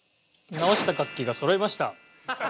直した楽器がそろいました。